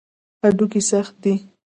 هډوکي سخت دي.